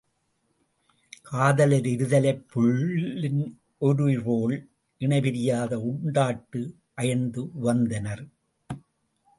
காதலர் இருதலைப் புள்ளின் ஓருயிர்போல இணைபிரியாத உண்டாட்டு அயர்ந்து உவந்தனர்.